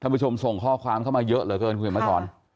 ท่านผู้ชมส่งข้อความเข้ามาเยอะเหลือเกินคุณพี่มัทร